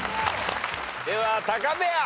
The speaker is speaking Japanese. ではタカペア。